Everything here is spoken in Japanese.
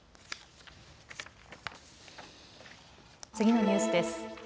次のニュースです。